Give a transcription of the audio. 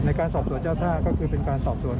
การสอบสวนเจ้าท่าก็คือเป็นการสอบสวน